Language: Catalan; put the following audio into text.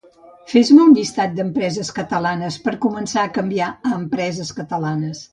Fes-me un llistat d'empreses catalanes per començar a canviar a empreses catalanes